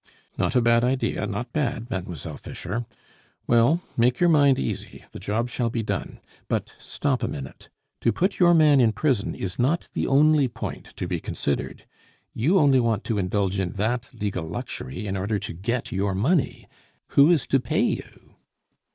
"Not a bad idea, not bad, Mademoiselle Fischer! Well, make your mind easy; the job shall be done. But stop a minute; to put your man in prison is not the only point to be considered; you only want to indulge in that legal luxury in order to get your money. Who is to pay you?"